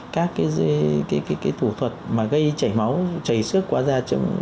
các cái thủ thuật mà gây chảy máu chảy sức qua da